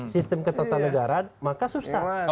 sistem ketahuan negara maka susah